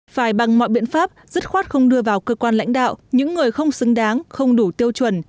phải bằng mọi biện pháp dứt khoát không đưa vào cơ quan lãnh đạo những người không xứng đáng không đủ tiêu chuẩn